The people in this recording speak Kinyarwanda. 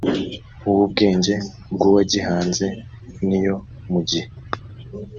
w ubwenge bw uwagihanze n iyo mu gihe